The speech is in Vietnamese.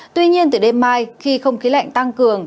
tuy nhiên từ đêm mai khi không khí lạnh tăng cường